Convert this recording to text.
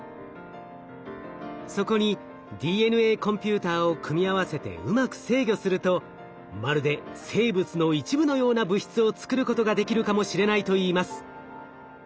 そこにＤＮＡコンピューターを組み合わせてうまく制御するとまるで生物の一部のような物質を作ることができるかもしれないといいます。